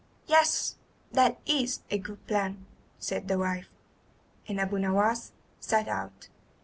"Yes, that is a good plan," said the wife; and Abu Nowas set out.